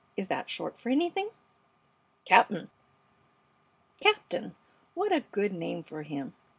Is that short for anything?" "Cap'n." "Captain. What a good name for him.